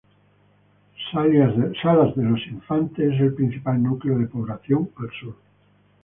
Salas de los Infantes es el principal núcleo de población al sur.